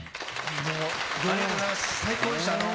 ありがとうございます、最高でした。